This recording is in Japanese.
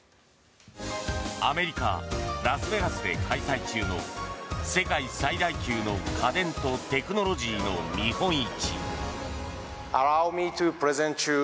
アメリカ・ラスベガスで開催中の世界最大級の家電とテクノロジーの見本市。